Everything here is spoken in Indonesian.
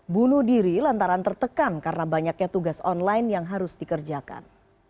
bunuh diri lantaran tertekan karena banyaknya tugas online yang harus dikerjakan